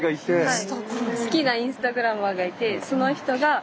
はい。